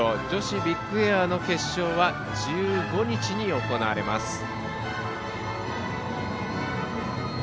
女子ビッグエアの決勝は１５日に行われます。